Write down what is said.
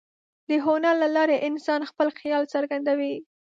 د هنر له لارې انسان خپل خیال څرګندوي.